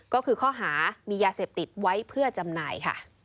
ก็คือข้อหามียาเสพติดไว้เพื่อจำหน่ายค่ะ